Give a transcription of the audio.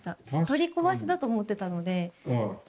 取り壊しだと思ってたので。